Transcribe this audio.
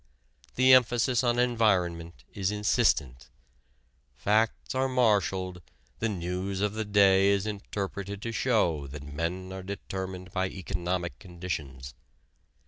The emphasis on environment is insistent. Facts are marshaled, the news of the day is interpreted to show that men are determined by economic conditions.